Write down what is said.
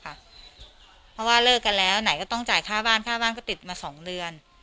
เพราะว่าเลิกกันแล้วไหนก็ต้องจ่ายค่าบ้านค่าบ้านก็ติดมา๒เดือน